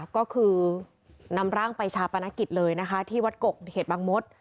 ก็คือนำร่างไปชาปนกิจเลยนะคะที่วัดกกเหตุบางมศ